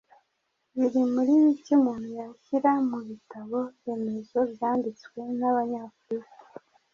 biri muri bike umuntu yashyira mu bitabo remezo byanditswe n’abanyafurika.